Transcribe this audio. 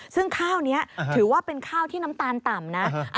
ซึ่งข้าวนี้ถือว่าเป็นข้าวที่น้ำตาลต่ำนะ